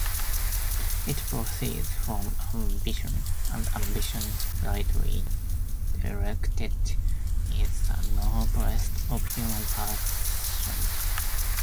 It proceeds from ambition; and ambition, rightly directed, is the noblest of human passions.